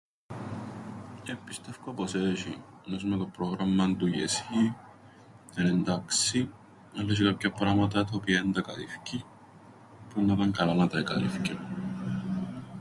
Ε, πιστεύκω πως έσ̆ει. Εννοώ σου με το πρόγραμμαν του γεσύ, εν' εντάξει, αλλά έσ̆ει τζ̆αι κάποια πράματα τα οποία εν τα καλύφκει, που εννά 'ταν καλά να τα εκάλυφκεν.